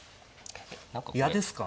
嫌ですか？